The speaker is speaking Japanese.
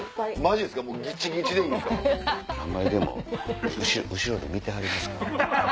あんまりでも後ろで見てはりますから。